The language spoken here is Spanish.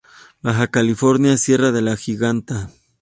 Baja California: Sierra de la Giganta.